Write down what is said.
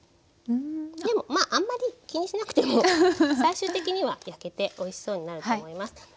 でもまああんまり気にしなくても最終的には焼けておいしそうになると思います。